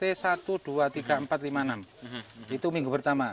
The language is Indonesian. itu minggu pertama